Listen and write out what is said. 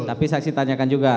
tapi saksi tanyakan juga